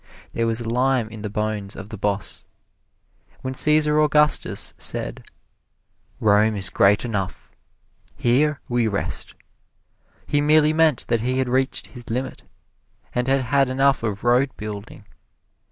There was lime in the bones of the boss. When Cæsar Augustus said, "Rome is great enough here we rest," he merely meant that he had reached his limit, and had had enough of road building.